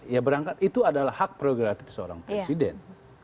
ya berangkat itu adalah hak prerogatif seorang presiden